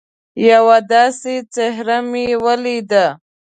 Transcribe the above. یوه داسي څهره مې ولیده